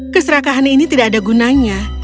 keserakahan ini tidak ada gunanya